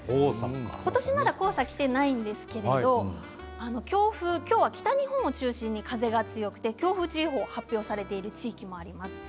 今年はまだ黄砂はきていないんですけれど今日は北日本を中心に風が強くて強風注意報が発表されている地域もあります。